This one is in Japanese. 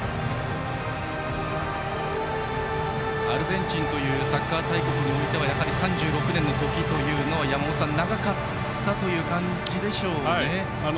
アルゼンチンというサッカー大国においてはやはり３６年のときは山本さん、長かったという感じでしょうね。